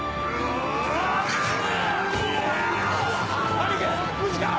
兄貴無事か！